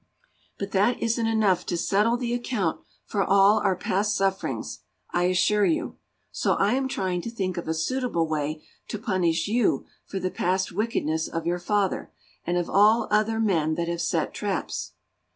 But that isn't enough to settle the account for all our past sufferings, I assure you; so I am trying to think of a suitable way to punish you for the past wickedness of your father, and of all other men that have set traps."